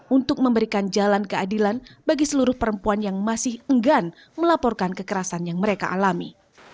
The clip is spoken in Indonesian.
untuk memberikan jalan keadilan bagi seluruh perempuan yang masih enggan melaporkan kekerasan yang mereka alami